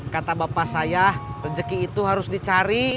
kata bapak saya rezeki itu harus dicari